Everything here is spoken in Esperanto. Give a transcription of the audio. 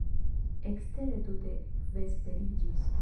Ekstere tute vesperiĝis.